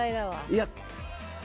いや。